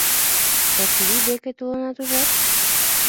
Качырий деке толынат, ужат?